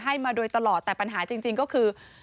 มาโดยตลอดแต่ปัญหาจริงก็คือ